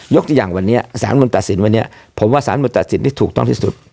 ตัวอย่างวันนี้สารมนุนตัดสินวันนี้ผมว่าสารมนุนตัดสินที่ถูกต้องที่สุด